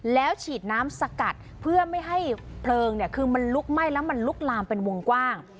แล้วฉีดน้ำสกัดเพื่อไม่ให้เพลิงเนี่ยคือมันลุกไหม้แล้วมันลุกลามเป็นวงกว้าง